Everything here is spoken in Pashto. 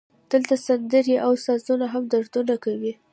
دلته سندرې او سازونه هم دردونه کوي